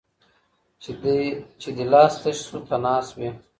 چي دي لاس تش سو تنها سوې